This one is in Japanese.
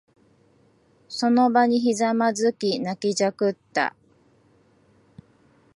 その場にひざまずき、泣きじゃくった。